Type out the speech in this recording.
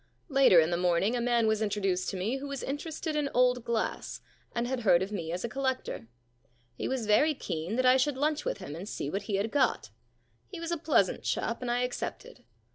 Later in the morning a man was introduced to me who was interested in old glass and had heard of me as a collector. He was very keen that I should lunch with him and see what he had got. He was a 62 The Free Meal Problem pleasant chap and I accepted.